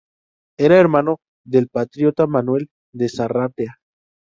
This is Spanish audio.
Era hermano del patriota Manuel de Sarratea.